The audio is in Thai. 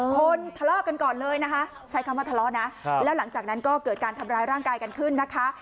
คนทะเลาะกันก่อนเลยนะคะใช้คำว่าทะเลาะนะแล้วหลังจากนั้นก็เกิดการทำร้ายร่างกายกันขึ้นนะคะ